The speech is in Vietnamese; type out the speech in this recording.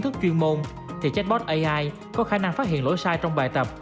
tổng hợp đây gợi ý giải pháp cho giáo viên